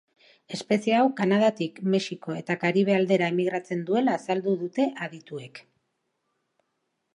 Espezie hau Kanadatik Mexiko eta Karibe aldera emigratzen duela azaldu dute adituek.